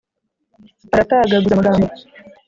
Aratagaguza amagambo.